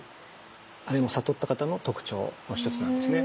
あれも悟った方の特徴の一つなんですね。